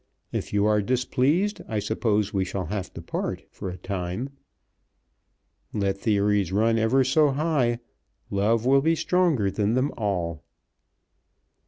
If you are displeased I suppose we shall have to part, for a time. Let theories run ever so high, Love will be stronger than them all."